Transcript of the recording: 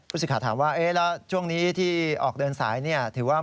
อุศิฆาตถามว่าเอ๊ะแล้วช่วงนี้ที่ออกเดินสายเนี่ย